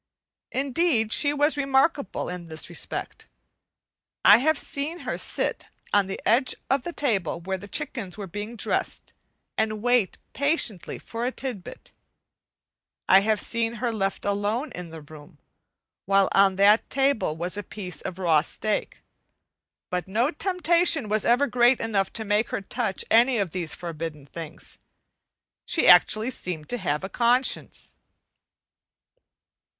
Indeed, she was remarkable in this respect. I have seen her sit on the edge of a table where chickens were being dressed and wait patiently for a tidbit; I have seen her left alone in the room, while on that table was a piece of raw steak, but no temptation was ever great enough to make her touch any of these forbidden things. She actually seemed to have a conscience.